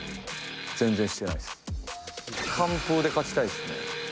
完封で勝ちたいですね。